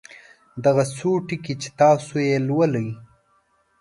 دغه څو ټکي چې تاسې یې لولئ.